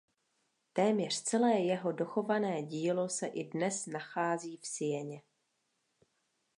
Téměř celé jeho dochované dílo se i dnes nachází v Sieně.